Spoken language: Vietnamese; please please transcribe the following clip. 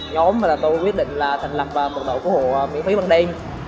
nhóm và tôi quyết định thành lập một đội cứu hộ miễn phí bằng đêm